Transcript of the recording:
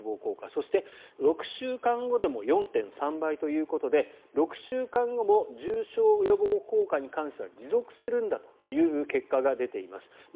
そして、６週間後でも４．３倍ということで６週間後も重症予防効果に関しては持続するんだという結果が出ています。